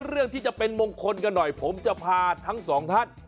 เรื่องที่จะเป็นมงคลกันหน่อยผมจะพาทั้งสองท่าน